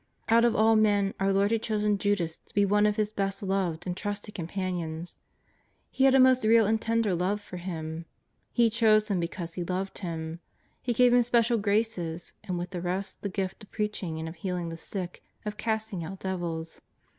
Out of all men our Lord had chosen eTudas to be one of His best loved and trusted companions. He had a most real and tender love for him. He chose him because He loved him. He gave him special graces, and with the rest the gift of preaching, of healing the sick, of casting out devils.